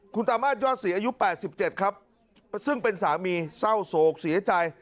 คุณตามาศยอดศรีอายุ๘๗ครับซึ่งเป็นสามีเศร้าโศกเสียใจ